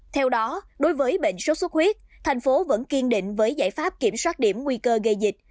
theo đó đối với bệnh sốt xuất huyết thành phố vẫn kiên định với giải pháp kiểm soát điểm nguy cơ gây dịch